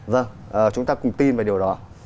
vâng chúng ta cùng tin về điều đó